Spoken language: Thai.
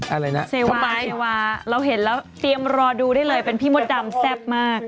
อะไรนะเซลล์เซวาเราเห็นแล้วเตรียมรอดูได้เลยเป็นพี่มดดำแซ่บมาก